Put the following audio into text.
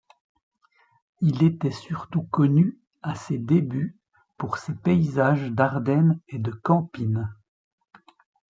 Il était surtout connu, à ses débuts, pour ses paysages d'Ardenne et de Campine.